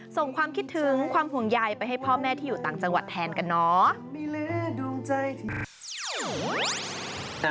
ส่งความคิดถึงความห่วงใยไปให้พ่อแม่ที่อยู่ต่างจังหวัดแทนกันเนาะ